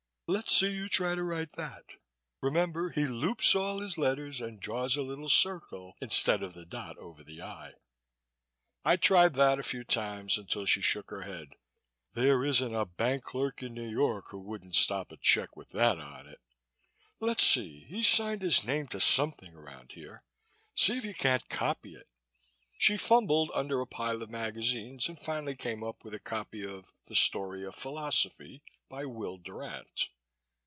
Let's see you try to write that. Remember he loops all his letters and draws a little circle instead of a dot over the 'i'." I tried that a few times until she shook her head. "There isn't a bank clerk in New York who wouldn't stop a check with that on it. Let's see, he signed his name to something around here. See if you can't copy it." She fumbled under a pile of magazines and finally came up with a copy of "The Story of Philosophy" by Will Durant.